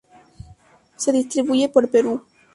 Se distribuye por Perú.